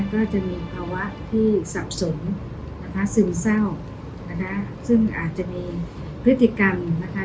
ก็จะมีภาวะที่สับสนนะคะซึมเศร้านะคะซึ่งอาจจะมีพฤติกรรมนะคะ